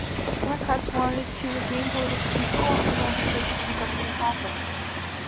Democrats wanted to regain political control of the legislature and governor's office.